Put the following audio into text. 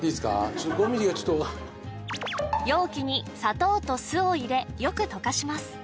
ちょっ５ｍｍがちょっと容器に砂糖と酢を入れよく溶かします